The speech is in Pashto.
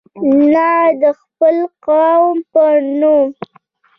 نه د خپل قوم په نوم.